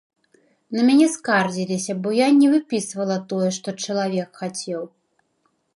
На мяне скардзіліся, бо я не выпісвала тое, што чалавек хацеў.